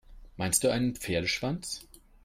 Meinst du einen Pferdeschwanz?